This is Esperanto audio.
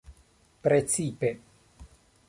precipe